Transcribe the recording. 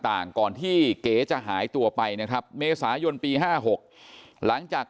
ก่อนที่เก๋จะหายตัวไปนะครับเมษายนปี๕๖หลังจาก